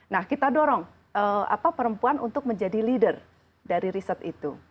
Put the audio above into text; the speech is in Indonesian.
nah kita dorong perempuan untuk menjadi leader dari riset itu